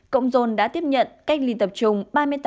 cộng dồn đã tiếp nhận cách ly tập trung ba mươi tám tám trăm bảy mươi